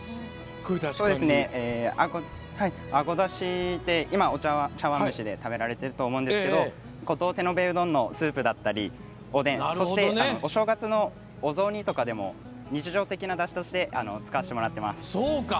あごだし今は茶わん蒸しで食べられていると思うんですけど五島手延べうどんのスープおでん、お正月のお雑煮でも日常的なだしとして使わせてもらってます。